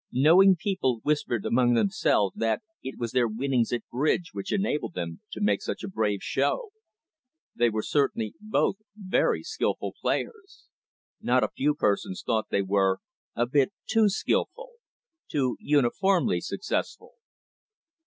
Knowing people whispered amongst themselves that it was their winnings at bridge which enabled them to make such a brave show. They were certainly both very skilful players. Not a few persons thought they were a bit too skilful, too uniformly successful.